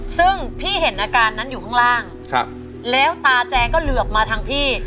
ซึ่งพี่เห็นอาการนั้นอยู่ข้างล่างแล้วตาแจงก็เหลือบมาทางพี่